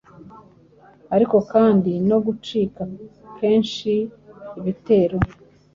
ariko kandi no gucika kenshi ibitero